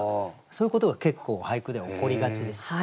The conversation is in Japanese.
そういうことが結構俳句では起こりがちですよね。